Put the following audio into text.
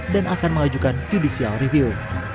dan akan mengajukan judicial review